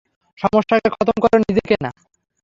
সমস্যাকে খতম করো, নিজেকে না।